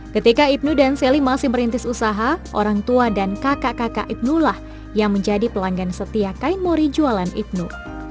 ketika ibnu dan selly masih merintis usaha orang tua dan kakak kakak ibnullah yang menjadi pelanggan setia kain mori jualan ibnu